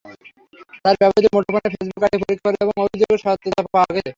তাঁর ব্যবহৃত মুঠোফোনে ফেসবুক আইডি পরীক্ষা করে এ অভিযোগের সত্যতা পাওয়া গেছে।